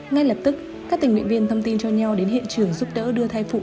ngay lập tức các tình nguyện viên thông tin cho nhau đến hiện trường giúp đỡ đưa thai phụ